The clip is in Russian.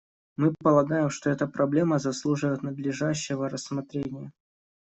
Мы полагаем, что эта проблема заслуживает надлежащего рассмотрения.